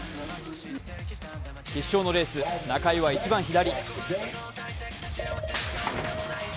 決勝のレース、中井は一番左。